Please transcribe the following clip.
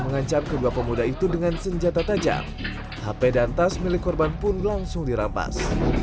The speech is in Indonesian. mengancam kedua pemuda itu dengan senjata tajam hp dan tas milik korban pun langsung dirampas